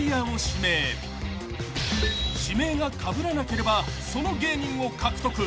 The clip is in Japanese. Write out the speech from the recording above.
［指名がかぶらなければその芸人を獲得］